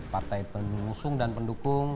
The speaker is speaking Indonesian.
partai pengusung dan pendukung